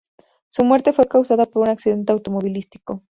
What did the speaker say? Su muerte fue causada por un accidente automovilístico.